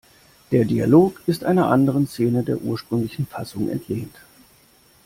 Der Dialog ist einer anderen Szene der ursprünglichen Fassung entlehnt.